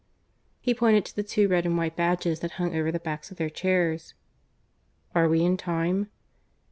(He pointed to the two red and white badges that hung over the backs of their chairs.) "Are we in time?"